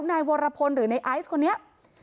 นายวรพลหรือในไอซ์คนนี้